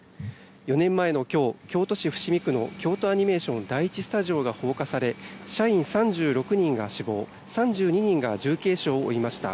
４年前の今日京都市伏見区の京都アニメーション第１スタジオが放火され社員３６人が死亡３２人が重軽傷を負いました。